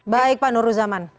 baik pak nur ruzaman